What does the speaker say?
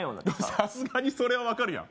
さすがにそれは分かるやん